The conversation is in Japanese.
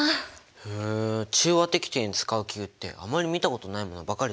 へえ中和滴定に使う器具ってあまり見たことないものばかりだね。